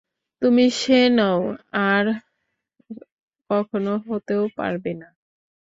তুমি সে নও আর কখনো হতেও পারবে না।